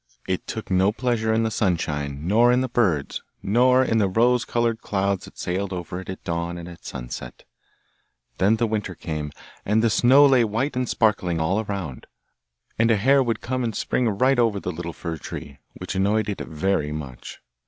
It took no pleasure in the sunshine, nor in the birds, nor in the rose coloured clouds that sailed over it at dawn and at sunset. Then the winter came, and the snow lay white and sparkling all around, and a hare would come and spring right over the little fir tree, which annoyed it very much.